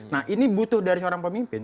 nah ini butuh dari seorang pemimpin